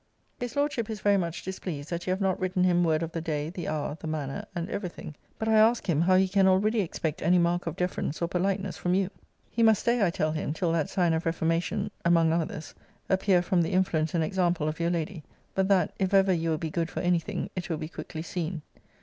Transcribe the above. His Lordship is very much displeased, that you have not written him word of the day, the hour, the manner, and every thing. But I ask him, how he can already expect any mark of deference or politeness from you? He must stay, I tell him, till that sign of reformation, among others, appear from the influence and example of your lady: but that, if ever you will be good for any thing, it will be quickly seen.